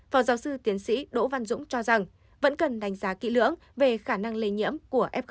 phó giáo sư tiến sĩ đỗ văn dũng cho rằng vẫn cần đánh giá kỹ lưỡng về khả năng lây nhiễm của f một